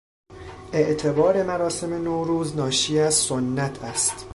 اعتبار مراسم نوروز ناشی از سنت است.